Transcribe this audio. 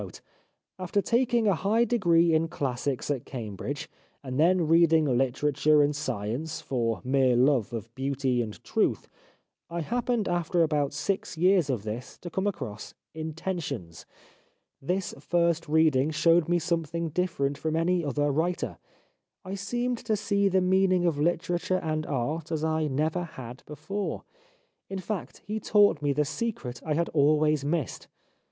After taking a high degree in Classics at Cambridge, and then reading hterature and science, for mere love of beauty and truth, I happened after about six years of this, to come across ' Intentions.' This first reading showed me something different from any other writer ; I seemed to see the meaning of literature and art as I never had before ; in fact he taught me the secret I had always missed.